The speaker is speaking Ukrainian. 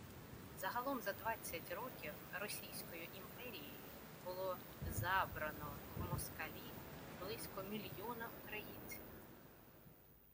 Загалом за двадцять років Російською імперією було «забрано в москалі» близько мільйона українців!